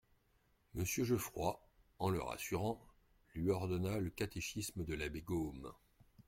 Monsieur Jeufroy, en le rassurant, lui ordonna le Catéchisme de l'abbé Gaume.